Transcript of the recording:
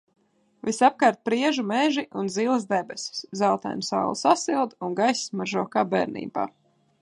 Visapkārt priežu meži un zilas debesis, zeltaina saule sasilda un gaiss smaržo kā bērnībā.